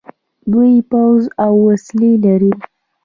دوی پوځ او وسلې لري.